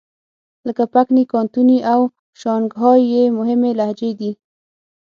لکه پکني، کانتوني او شانګهای یې مهمې لهجې دي.